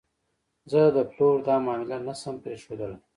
زه د پلور دا معامله نه شم پرېښودلی.